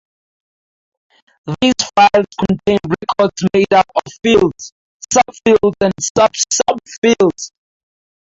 These files contain records made up of fields, sub-fields and sub-sub-fields.